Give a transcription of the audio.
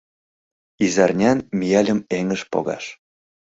Изарнян мияльым эҥыж погаш